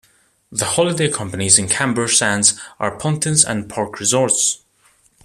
The holiday companies in Camber Sands are Pontins and Park Resorts.